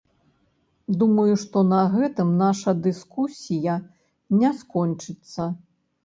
Думаю, што на гэтым наша дыскусія не скончыцца.